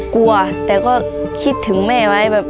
กลัวแต่ก็คิดถึงแม่ไว้แบบ